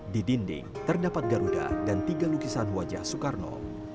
di dinding terdapat garuda dan tiga lukisan wajah soekarno